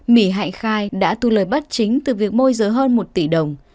mỉ hạnh khai đã thu lời bắt chính từ việc môi giới hơn một tỷ đồng